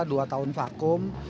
kita dua tahun vakum